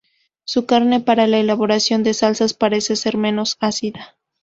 Su carne para la elaboración de salsas parece ser menos ácida.